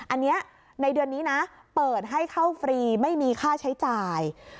อันนี้ในเดือนนี้นะเปิดให้เข้าฟรีไม่มีค่าใช้จ่าย